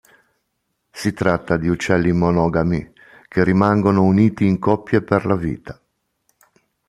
Si tratta di uccelli monogami, che rimangono uniti in coppie per la vita.